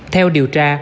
theo điều tra